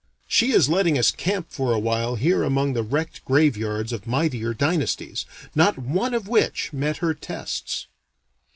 She is letting us camp for awhile here among the wrecked graveyards of mightier dynasties, not one of which met her tests.